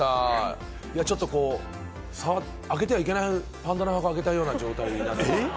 ちょっと開けたらいけないパンドラの箱を開けたような状態になっています。